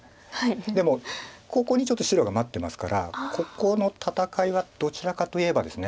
でもここにちょっと白が待ってますからここの戦いはどちらかと言えばですね